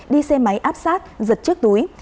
đi xe máy áp sát giật chiếc túi